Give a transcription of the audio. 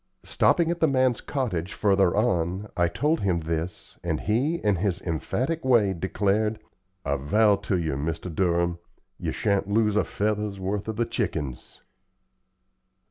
Stopping at the man's cottage further on, I told him this, and he, in his emphatic way, declared: "I vow ter you, Mr. Durham, ye shan't lose a feather's worth o' the chickens."